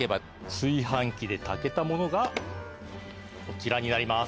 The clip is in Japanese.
炊飯器で炊けたものがこちらになります。